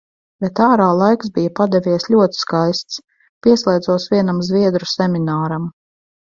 Bet ārā laiks bija padevies ļoti skaists. Pieslēdzos vienam zviedru semināram.